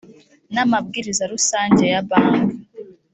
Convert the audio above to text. namabwiriza rusange ya bank.